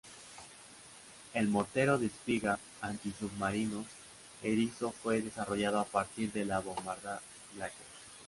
El mortero de espiga antisubmarino Erizo fue desarrollado a partir de la bombarda Blacker.